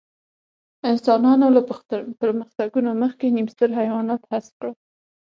انسانانو له پرمختګونو مخکې نیم ستر حیوانات حذف کړل.